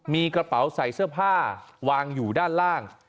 มีกระเป๋าใส่เสื้อผ้าวางอยู่ด้านล่าง